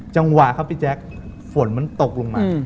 จังหวะครับพี่แจ๊คฝนมันตกลงมา